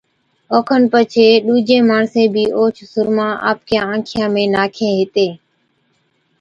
اوکن پڇي ڏُوجين ماڻسين بِي اوھچ سُرما آپڪِيان آنکِيان ۾ ناکين ھِتين